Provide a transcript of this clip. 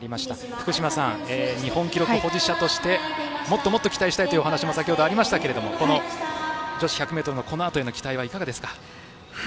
福島さん、日本記録保持者としてもっともっと期待したいというお話も先程ありましたが女子１００ｍのこのあとへの期待はいかがですか？